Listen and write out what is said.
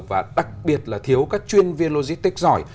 và đặc biệt là thiếu các chuyên viên logistics giỏi